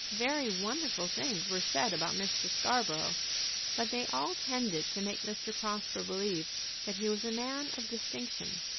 Very wonderful things were said about Mr. Scarborough, but they all tended to make Mr. Prosper believe that he was a man of distinction.